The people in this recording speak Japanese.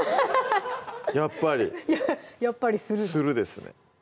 やっぱりやっぱりスルスルですね